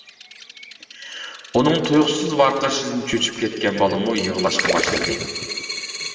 ئۇنىڭ تۇيۇقسىز ۋارقىرىشىدىن چۆچۈپ كەتكەن بالمۇ يىغلاشقا باشلىدى.